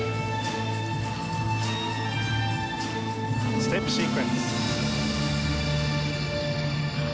ステップシークエンス。